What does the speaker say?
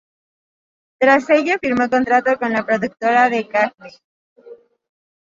Tras ello firmó contrato con la productora de Cagney.